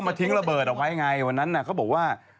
ทิ้งระเบิดเอาไว้ไงวันนั้นเขาบอกว่า